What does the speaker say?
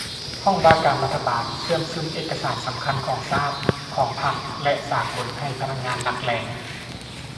ຫ້ອງວ່າການລັດຖະບານ ເຊື່ອມຊຶມເອກະສານສຳຄັນຂອງຊາດ ຂອງພັກ ແລະ ສາກົນ ໃຫ້ພະນັກງານຫຼັກແຫຼ່ງ